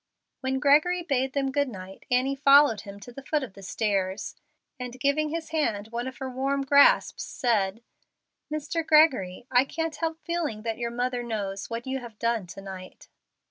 When Gregory bade them good night, Annie followed him to the foot of the stairs, and giving his hand one of her warm grasps, said, "Mr. Gregory, I can't help feeling that your mother knows what you have done to night."